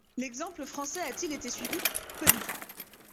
L’exemple français a-t-il été suivi ? Pas du tout.